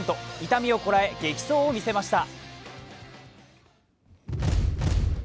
痛みをこらえ激走を見せました。